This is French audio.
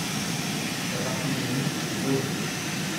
La partie finie, on causait.